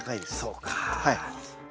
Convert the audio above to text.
そうか。